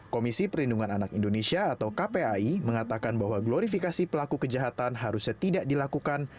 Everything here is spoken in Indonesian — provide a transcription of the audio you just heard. komisi perlindungan anak indonesia atau kpai mengatakan bahwa glorifikasi pelaku kejahatan harusnya tidak dilakukan